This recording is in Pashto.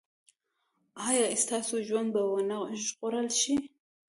ایا ستاسو ژوند به و نه ژغورل شي؟